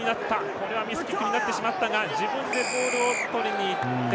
これはミスキックになってしまったが自分でボールをとりにいって。